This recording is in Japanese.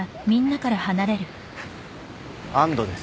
安どです